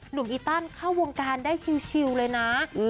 หนุ่มไอ้ตั้นเข้าวงการได้ชิวเลยนะ